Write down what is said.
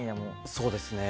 そうですね。